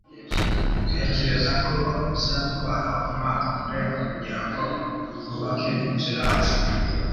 Ntekereza ko bizatwara umwaka urenga kugirango twubake inzu yacu.